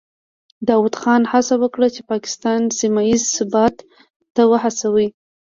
داود خان هڅه وکړه چې پاکستان سیمه ییز ثبات ته وهڅوي.